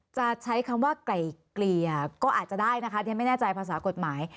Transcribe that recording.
จะใช้คำว่าไกล่เกลี่ยก็อาจจะได้นะคะเรียนไม่แน่ใจภาษากฎหมาย